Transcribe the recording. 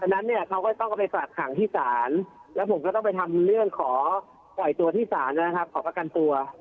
นั้นเนี่ยเขาก็จะต้องเอาไปฝากขังที่ศาลแล้วผมก็ต้องไปทำเรื่องขอปล่อยตัวที่ศาลนะครับขอประกันตัว